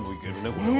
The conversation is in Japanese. これは。